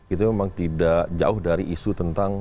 itu memang tidak jauh dari isu tentang